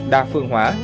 đa phương hóa